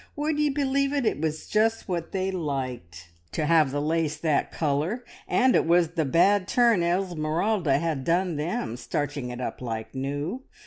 Would ye believe it, it was just what they liked, to have the lace that colour, and it was the bad turn Esmeralda had done them, starching it up like new!